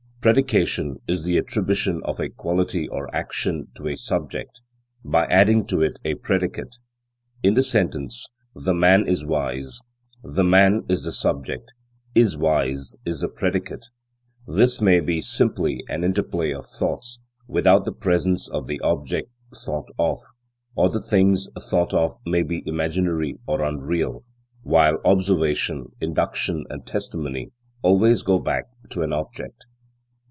Predication is the attribution of a quality or action to a subject, by adding to it a predicate. In the sentence, "the man is wise," "the man" is the subject; "is wise" is the predicate. This may be simply an interplay of thoughts, without the presence of the object thought of; or the things thought of may be imaginary or unreal; while observation, induction and testimony always go back to an object.